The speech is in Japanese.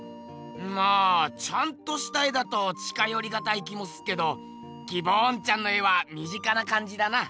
まあちゃんとした絵だと近よりがたい気もすっけどギボーンちゃんの絵は身近な感じだな。